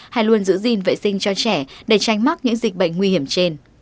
hay luôn giữ gìn vệ sinh cho trẻ để tránh mắc những dịch bệnh nguy hiểm trên